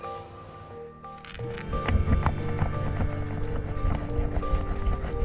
tanah yang tadi yang solid